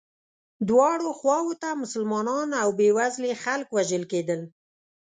دواړو خواوو ته مسلمانان او بیوزلي خلک وژل کېدل.